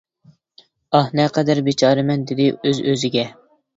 «ئاھ، نەقەدەر بىچارە مەن! » دېدى ئۆز-ئۆزىگە.